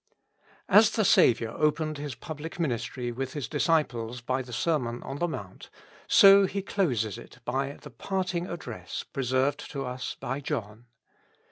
AS the Saviour opened His public ministry with His disciples by the Sermon on the Mount, so He closes it by the Parting Address preserved to us by John.